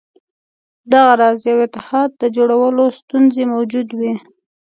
دغه راز یوه اتحاد د جوړولو ستونزې موجودې وې.